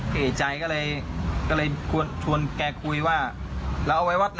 เข้ใจก็เลยชวนแกคุยว่าแล้วเอาไว้วัดไหน